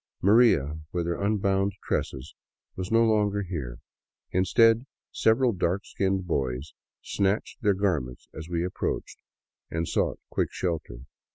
" Maria " with her unbound tresses, was no longer here ; instead, several dark skinned boys snatched their garments as we approached and sought quick shelter.